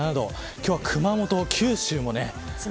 今日は熊本、九州もね。